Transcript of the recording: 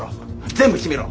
全部閉めろ。